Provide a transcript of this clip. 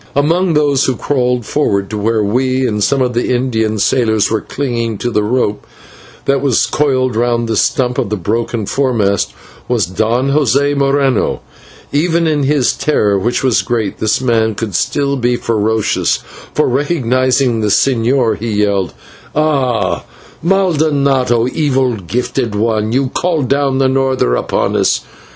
Among those who crawled forward to where we and some of the Indian sailors were clinging to the rope that was coiled round the stump of the broken foremast, was Don José Moreno. Even in his terror, which was great, this man could still be ferocious, for, recognising the señor, he yelled: "Ah! /maldonado/ evil gifted one you called down the norther upon us.